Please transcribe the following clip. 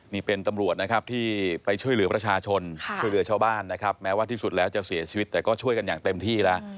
นี่เป็นตำรวจนะครับที่ไปช่วยเหลือประชาชนช่วยเหลือชาวบ้านนะครับแม้ว่าที่สุดแล้วจะเสียชีวิตแต่ก็ช่วยกันอย่างเต็มที่แล้ว